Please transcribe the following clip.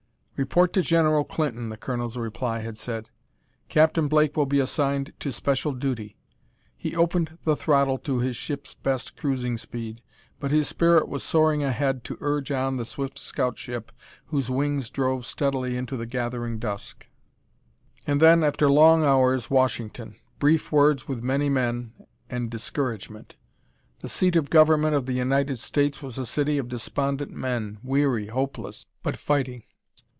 "Report to General Clinton," the colonel's reply had said. "Captain Blake will be assigned to special duty." He opened the throttle to his ship's best cruising speed, but his spirit was soaring ahead to urge on the swift scout ship whose wings drove steadily into the gathering dusk. And then, after long hours, Washington! Brief words with many men and discouragement! The seat of government of the United States was a city of despondent men, weary, hopeless, but fighting.